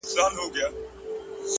دادی ټکنده غرمه ورباندي راغله ـ